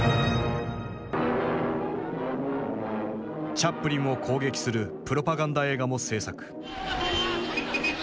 チャップリンを攻撃するプロパガンダ映画も製作。